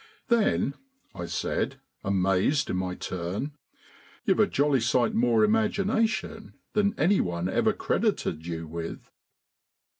"Then," I said, amazed in my turn, "you've a jolly sight more imagination than anyone ever credited you with."